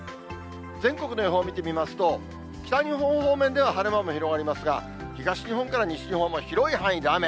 全国の予報見てみますと、北日本方面では晴れ間も広がりますが、東日本から西日本も広い範囲で雨。